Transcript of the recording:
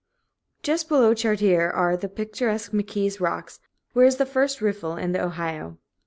Just below Chartier are the picturesque McKee's Rocks, where is the first riffle in the Ohio.